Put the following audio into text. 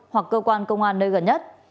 hoặc cơ quan công an nơi gần nhất